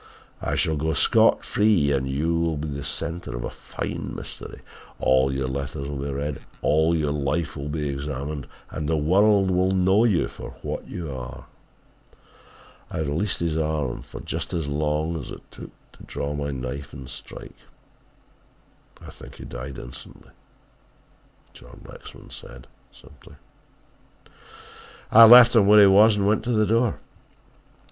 I shall go scot free and you will be the centre of a fine mystery! All your letters will be read, all your life will be examined and the world will know you for what you are!' "I released his arm for just as long as it took to draw my knife and strike. I think he died instantly," John Lexman said simply. "I left him where he was and went to the door.